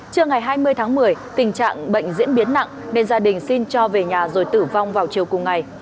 trưa ngày hai mươi tháng một mươi tình trạng bệnh diễn biến nặng nên gia đình xin cho về nhà rồi tử vong vào chiều cùng ngày